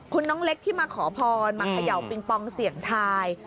คุณน้องเล็กที่มาขอพรมาเขย่าปิงปองเสี่ยงทาย